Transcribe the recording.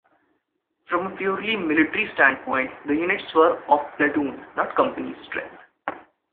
From a purely military standpoint, the units were of platoon, not company, strength.